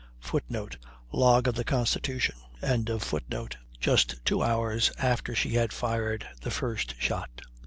[Footnote: Log of the Constitution.] just two hours after she had fired the first shot.